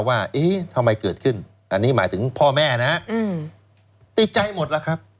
ว่าเอ๊ะทำไมเกิดขึ้นอันนี้หมายถึงพ่อแม่นะติดใจหมดล่ะครับ